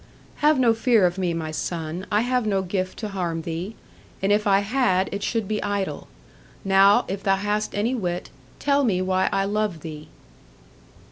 'Have no fear of me, my son; I have no gift to harm thee; and if I had, it should be idle. Now, if thou hast any wit, tell me why I love thee.'